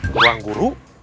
ke ruang guru